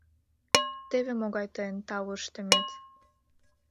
Теве могай тыйын тау ыштымет...